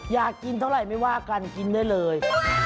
อยากกินเท่าไหร่ไม่ว่ากันกินได้เลย